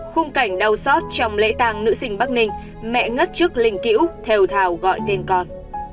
khung cảnh đau xót trong lễ tàng nữ sinh bắc ninh mẹ ngất trước linh cữu theo thảo gọi tên con